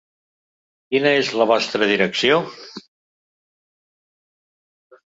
Quina es la vostra direcció?